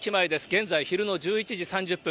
現在、昼の１１時３０分。